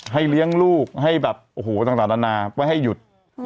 ให้เลี้ยงลูกทางศาลนาให้หยุด